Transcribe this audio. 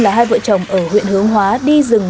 là hai vợ chồng ở huyện hướng hóa đi rừng